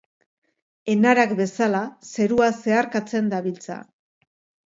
Enarak bezala zerua zeharkatzen dabiltza.